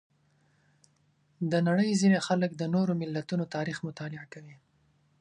د نړۍ ځینې خلک د نورو ملتونو تاریخ مطالعه کوي.